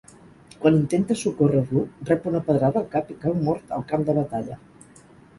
Quan intenta socórrer-lo rep una pedrada al cap i cau mort al camp de batalla.